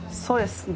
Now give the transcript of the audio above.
そうです。